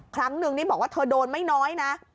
ครั้งนึงนี่บอกว่าเธอโดนไม่น้อยนะ